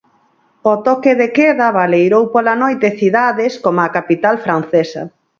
O toque de queda baleirou pola noite cidades coma a capital francesa.